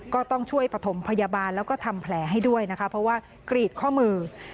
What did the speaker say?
ก็ต้องช่วยปฐมพยาบาลแล้วก็ทำแผลให้ด้วยนะคะเพราะว่ากรีดข้อมือ